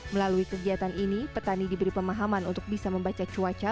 melalui kegiatan ini petani diberi pemahaman untuk bisa membaca cuaca